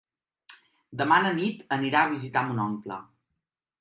Demà na Nit anirà a visitar mon oncle.